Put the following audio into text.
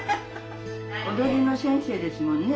踊りの先生ですもんね。